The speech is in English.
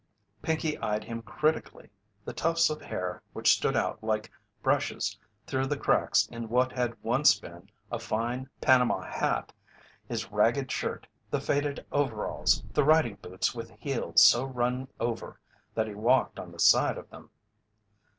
Pinkey eyed him critically the tufts of hair which stood out like brushes through the cracks in what had once been a fine Panama hat, his ragged shirt, the faded overalls, the riding boots with heels so run over that he walked on the side of them.